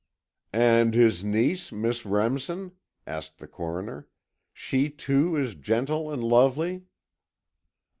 "And his niece, Miss Remsen?" asked the Coroner. "She, too, is gentle and lovely?"